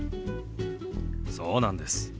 そうなんです。